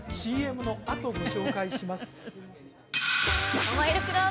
ＣＭのあとご紹介します